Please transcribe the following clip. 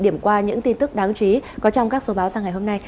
điểm qua những tin tức đáng chú ý có trong các số báo ra ngày hôm nay